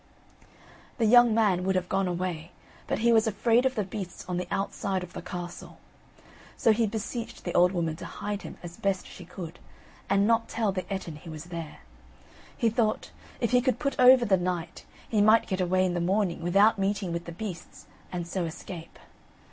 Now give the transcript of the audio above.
The young man would have gone away, but he was afraid of the beasts on the outside of the castle; so he beseeched the old woman to hide him as best she could, and not tell the Ettin he was there. He thought, if he could put over the night, he might get away in the morning, without meeting with the beasts, and so escape.